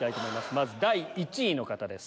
まず第１位の方です。